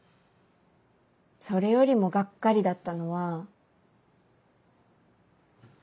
それよりもガッカリだったのは。